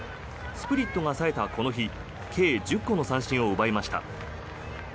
スプリットが冴えたこの日計１０個の三振を奪いました。